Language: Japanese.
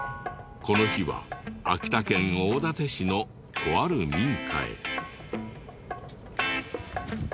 この日は秋田県大館市のとある民家へ。